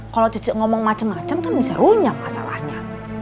kalau cece ngomong macam macam kan bisa unyam masalahnya